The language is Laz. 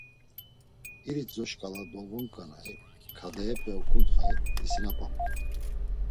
İritzo şǩala dolvoǩanay, kadehepe oǩuntxay, isinapamt̆u.